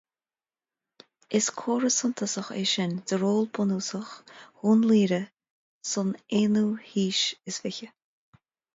Is comhartha suntasach é sin de ról bunúsach Dhún Laoghaire san aonú haois is fiche